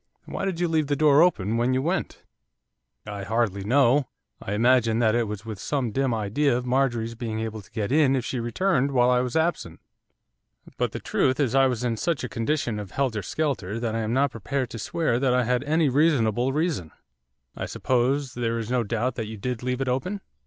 'Why did you leave the door open when you went?' 'I hardly know, I imagine that it was with some dim idea of Marjorie's being able to get in if she returned while I was absent, but the truth is I was in such a condition of helter skelter that I am not prepared to swear that I had any reasonable reason.' 'I suppose there is no doubt that you did leave it open?